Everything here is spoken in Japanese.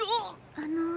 あの。